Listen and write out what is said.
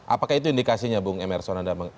apakah itu indikasinya bung emersona